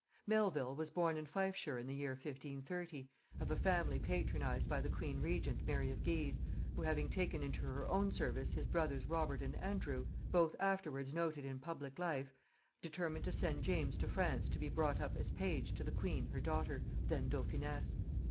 Melvil was born in Fifeshire in the year 1530, of a family patronized by the queen regent, Mary of Guise, who having taken into her own service his brothers Robert and Andrew, both afterwards noted in public life, determined to send James to France to be brought up as page to the queen her daughter, then dauphiness.